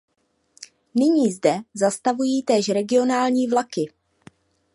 Nyní zde zastavují též regionální vlaky.